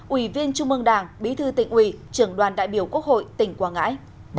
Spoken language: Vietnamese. ủy viên trung mương đảng bí thư tỉnh ủy trưởng đoàn đại biểu quốc hội tỉnh quảng ngãi